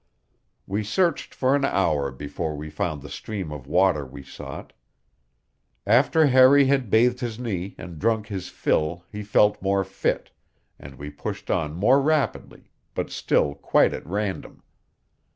We searched for an hour before we found the stream of water we sought. After Harry had bathed his knee and drunk his fill he felt more fit, and we pushed on more rapidly, but still quite at random.